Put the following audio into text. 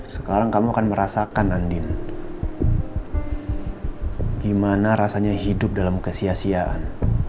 sekarang kamu akan merasakan andin gimana rasanya hidup dalam kesia siaan